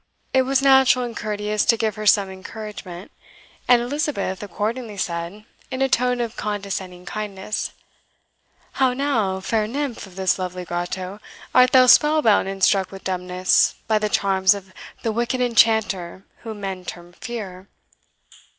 It was natural and courteous to give her some encouragement; and Elizabeth accordingly said, in a tone of condescending kindness, "How now, fair Nymph of this lovely grotto, art thou spell bound and struck with dumbness by the charms of the wicked enchanter whom men term Fear?